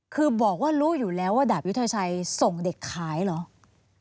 คือบอกว่ารู้อยู่แล้วว่าดาบยุทธชัยส่งเด็กขายเหรอ